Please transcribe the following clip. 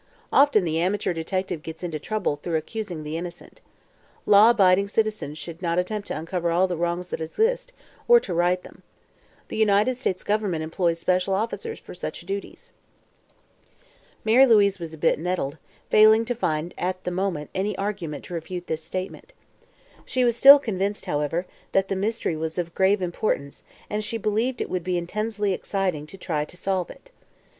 Often the amateur detective gets into trouble through accusing the innocent. Law abiding citizens should not attempt to uncover all the wrongs that exist, or to right them. The United States Government employs special officers for such duties." Mary Louise was a bit nettled, failing to find at the moment any argument to refute this statement. She was still convinced, however, that the mystery was of grave importance and she believed it would be intensely exciting to try to solve it.